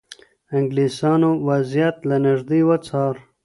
انګلیسانو وضعیت له نږدې وڅار.